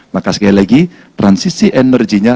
maka sekali lagi transisi energinya